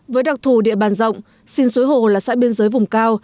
với đặc thù địa bàn rộng xin suối hồ là xã biên giới vùng cao